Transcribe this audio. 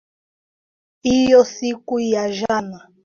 hiyo siku ya jana wakiibuka na ushindi bao moja kwa buyu